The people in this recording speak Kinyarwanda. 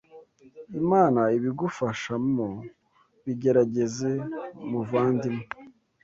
Imana ibigufashamo. Bigerageze muvandimwe.